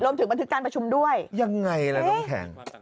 บันทึกการประชุมด้วยยังไงล่ะน้องแข็ง